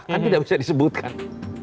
kan tidak bisa disebutkan